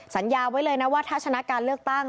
สัญญาไว้เลยนะว่าถ้าชนะการเลือกตั้ง